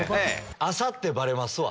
朝ってバレますわ。